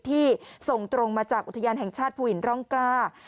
ที่ส่งตรงมาจากอุทยานแห่งชาติภูหินร่องกล้า